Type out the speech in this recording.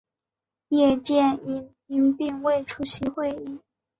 叶剑英因病未出席会议。